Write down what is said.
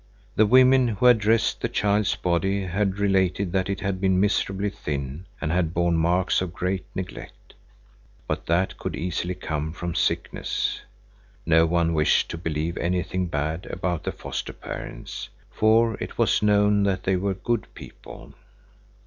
The women who had dressed the child's body had related that it had been miserably thin and had borne marks of great neglect. But that could easily come from sickness. No one wished to believe anything bad about the foster parents, for it was known that they were good people.